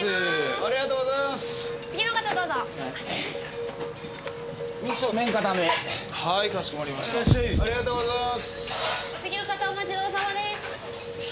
お次の方お待ちどおさまです。